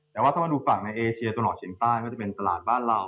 แต่ถ้าเรามองต่อฝั่งในเอเชียและตนออกเฉียงตาลก็จะเป็นตลาดบ้านเรา